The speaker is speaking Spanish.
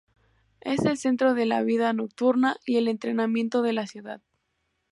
Es el centro de la vida nocturna y el entretenimiento de la ciudad.